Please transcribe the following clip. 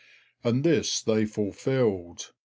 And this they fulfilled.